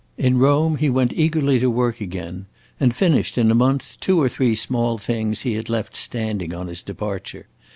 In Rome he went eagerly to work again, and finished in a month two or three small things he had left standing on his departure.